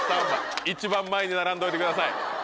一番前に並んどいてください。